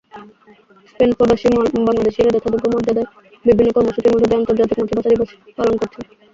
স্পেনপ্রবাসী বাংলাদেশিরা যথাযোগ্য মর্যাদায় বিভিন্ন কর্মসূচির মধ্য দিয়ে আন্তর্জাতিক মাতৃভাষা দিবস পালন করেছেন।